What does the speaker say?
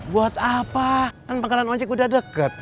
buat apa kan bakalan ojek udah deket